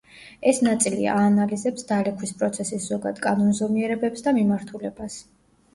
ეს ნაწილი აანალიზებს დალექვის პროცესის ზოგად კანონზომიერებებს და მიმართულებას.